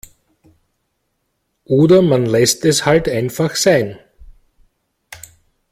Oder man lässt es halt einfach sein.